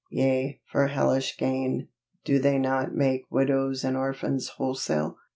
Yea, for hellish gain, do they not make widows and orphans wholesale?